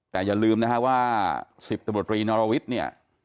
แต่อย่าลืมนะฮะว่า๑๐ตำรวจรีนรวิทย์เนี่ย